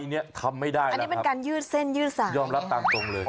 วัยนี้ทำไม่ได้แล้วครับยอมรับตามตรงเลย